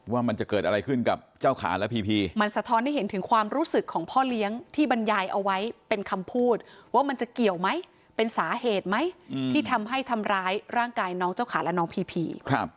ว่าจะเกิดอะไรขึ้นกับเจ้าขาและพีพีมันสะท้อนให้เห็นถึงความรู้สึกของพ่อเลี้ยงที่บรรยายเอาไว้เป็นคำพูดว่ามันจะเกี่ยวไหมเป็นสาเหตุไหมที่ทำให้ทำร้ายร่างกายน้องเจ้าขาและน้องพีพี